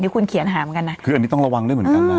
คุณเขียนหาเหมือนกันนะคืออันนี้ต้องระวังด้วยเหมือนกันนะ